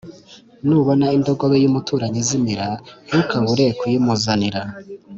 Nubona indogobe y’umuturanyi izimira ntukabure kuyimuzanira